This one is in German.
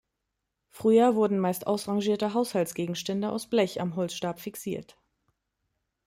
Früher wurden meist ausrangierte Haushaltsgegenstände aus Blech am Holzstab fixiert.